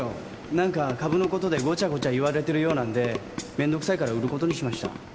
何か株のことでごちゃごちゃ言われてるようなんでめんどくさいから売ることにしました。